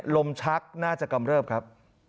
โลมชักน่าจะกำเริ่มครับ